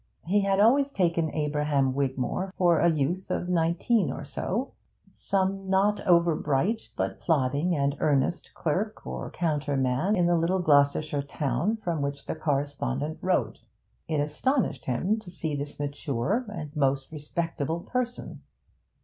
He had always taken 'Abraham Wigmore' for a youth of nineteen or so, some not over bright, but plodding and earnest clerk or counter man in the little Gloucestershire town from which the correspondent wrote; it astonished him to see this mature and most respectable person.